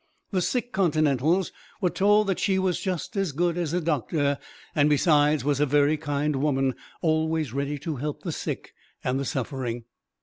The sick Continentals were told that she was just as good as a doctor, and, besides, was a very kind woman, always ready to help the sick and suffering.